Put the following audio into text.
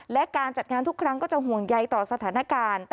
และการจัดงานทุกครั้งก็จะห่วงใยต่อสถานการณ์